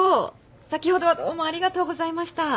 先ほどはどうもありがとうございました。